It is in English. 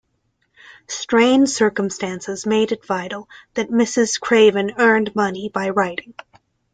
Strained circumstances made it vital that Mrs. Craven earn money by writing.